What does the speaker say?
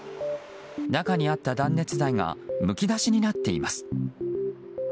中にあった断熱材がむき出しになっています。